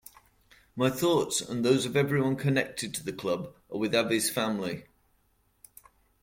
My thoughts and those of everyone connected to the club are with Avi's family.